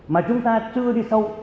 mà chúng ta chưa đi sâu